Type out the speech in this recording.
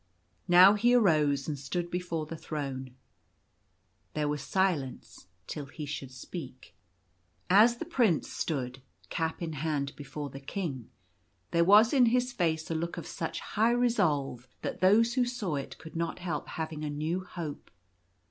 Now he arose and stood before the throne. There was silence till he should speak. As the Prince stood, cap in hand, before the King, there was in his face a look of such high resolve that those who saw it could not help having a new hope.